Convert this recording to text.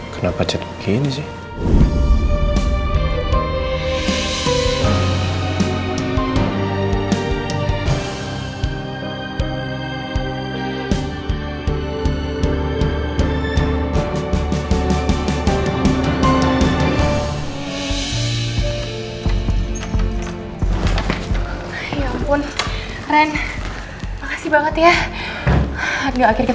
kenapa catur gini sih